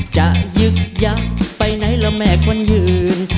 จะยึกยับไปไหนละแม่ควันยืน